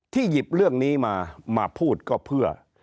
หยิบเรื่องนี้มามาพูดก็เพื่อ